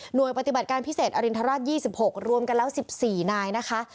โดยปฏิบัติการพิเศษอรินทราช๒๖รวมกันแล้ว๑๔นายนะคะ